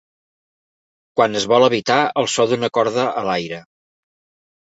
Quan es vol evitar el so d’una corda a l’aire.